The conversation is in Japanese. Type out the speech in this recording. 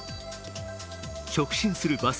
直進するバス。